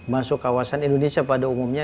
masuk kawasan indonesia pada umumnya